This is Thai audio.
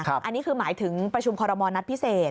อันนี้คือหมายถึงประชุมคอรมณ์นัดพิเศษ